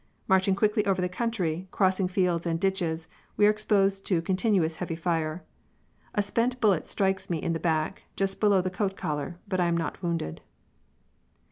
Marching quickly over the country, crossing fields and ditches, we are exposed to continuous heavy fire. A spent bullet strikes me in the back, just below the coat collar, but I am not wounded.